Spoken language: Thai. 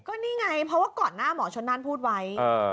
ก็นี่ไงเพราะว่าก่อนหน้าหมอชนนั่นพูดไว้